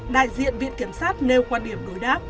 đại diện viện kiểm sát nêu quan điểm đối đáp